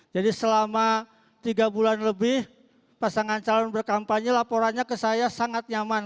jadi selama tiga bulan lebih pasangan calon berkampanye laporannya ke saya sangat nyaman